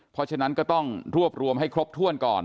เพราะฉะนั้นก็ต้องรวบรวมให้ครบถ้วนก่อน